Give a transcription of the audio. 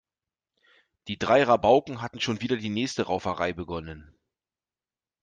Die drei Rabauken hatten schon wieder die nächste Rauferei begonnen.